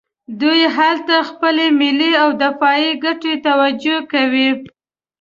دوی هلته خپلې ملي او دفاعي ګټې توجیه کوي.